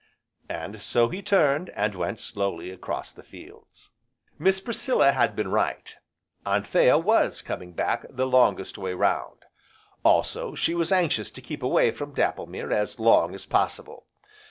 And so he turned, and went away slowly across the fields. Miss Priscilla had been right, Anthea was coming back the longest way round, also she was anxious to keep away from Dapplemere as long as possible.